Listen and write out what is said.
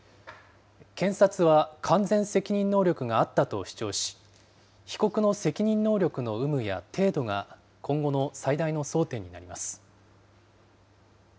検察は完全責任能力があったと主張し、被告の責任能力の有無や程度が今後の最大の争点になります。